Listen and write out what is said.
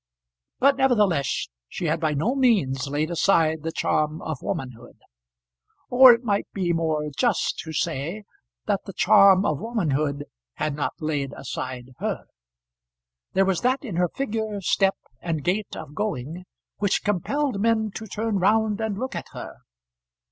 But, nevertheless, she had by no means laid aside the charm of womanhood; or it might be more just to say that the charm of womanhood had not laid aside her. There was that in her figure, step, and gait of going which compelled men to turn round and look at her.